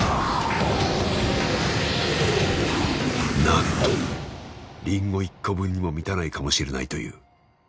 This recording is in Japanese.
なんとリンゴ１個分にも満たないかもしれないという。